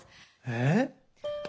えっ？